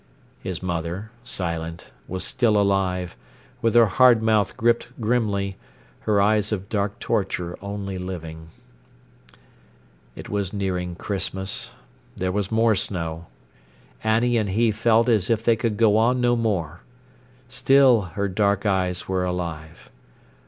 His mother, silent, was still alive, with her hard mouth gripped grimly, her eyes of dark torture only living. It was nearing Christmas; there was more snow. Annie and he felt as if they could go on no more. Still her dark eyes were alive.